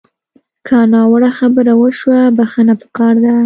که ناوړه خبره وشوه، بښنه پکار ده